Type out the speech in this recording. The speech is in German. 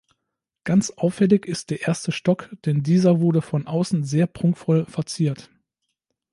Ganz auffällig ist der erste Stock, denn dieser wurde von außen sehr prunkvoll verziert.